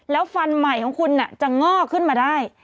แล้วฟันใหม่ของคุณจะง่อขึ้นมาได้